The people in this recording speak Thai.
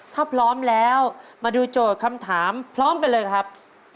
ถ้าพร้อมแล้วมาดูโจทย์คำถามพร้อมกันเลยครับ